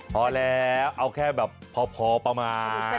พอแล้วเอาแค่แบบพอประมาณ